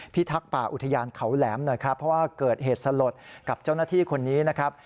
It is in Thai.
ทักษ์ป่าอุทยานเขาแหลมหน่อยครับเพราะว่าเกิดเหตุสลดกับเจ้าหน้าที่คนนี้นะครับ